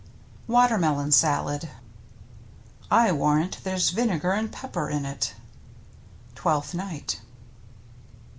=======VC!g] WATERMELON SALAD I warrant there's vinegar and pepper in it. — Twelfth Night.